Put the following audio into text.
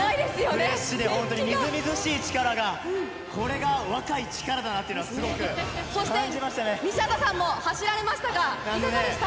フレッシュで、本当にみずみずしい力が、これが若い力だなっそして、西畑さんも走られましたが、いかがでした？